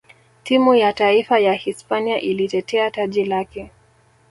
timu ya taifa ya hispania ilitetea taji lake